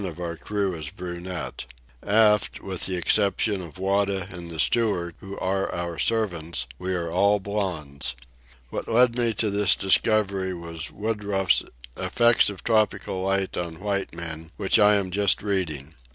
of our crew is brunette. Aft, with the exception of Wada and the steward, who are our servants, we are all blonds. What led me to this discovery was Woodruff's Effects of Tropical Light on White Men, which I am just reading.